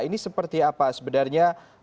ini seperti apa sebenarnya